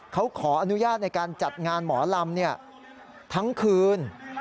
เขาขออนุญาตในการจัดงานหมอลำทั้งคืน